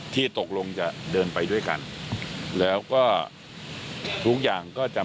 ที่ตกลงจะเดินไปด้วยกันแล้วก็ทุกอย่างก็จะ